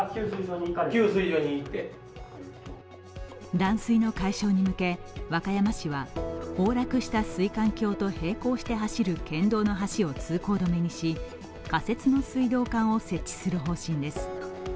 断水の解消に向け、和歌山市は崩落した水管橋と並行して走る県道の端を通行止めにし仮設の水道管を設置する方針です。